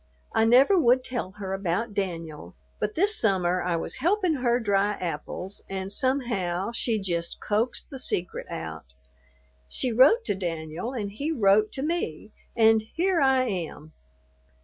I never would tell her about Danyul; but this summer I was helpin' her dry apples and somehow she jist coaxed the secret out. She wrote to Danyul, and he wrote to me, and here I am.